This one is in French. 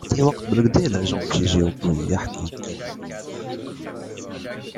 Cette pratique était alors légale.